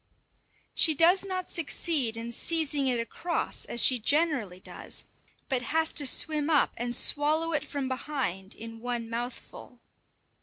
She does not succeed in seizing it across as she generally does, but has to swim up and swallow it from behind in one mouthful.